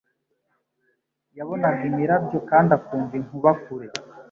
Yabonaga imirabyo kandi akumva inkuba kure.